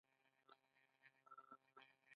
د علامه رشاد لیکنی هنر مهم دی ځکه چې یادښتونه ډک دي.